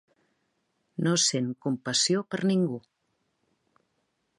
No sent compassió per ningú.